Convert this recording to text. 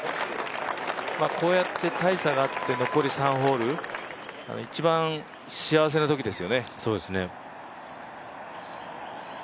こうやって大差があって、残り３ホール、一番幸せなときですよね。